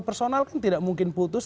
personal kan tidak mungkin putus